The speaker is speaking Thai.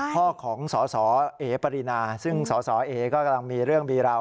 พ่อของสสเอ๋ปรินาซึ่งสสเอ๋ก็กำลังมีเรื่องมีราว